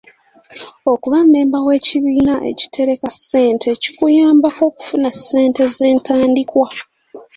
Okuba mmemba w'ekibiina ekitereka ssente kikuyambako okufuna ssente z'entandikwa.